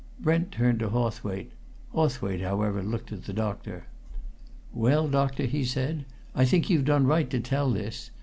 Brent turned to Hawthwaite. Hawthwaite, however, looked at the doctor. "Well, doctor," he said, "I think you've done right to tell this.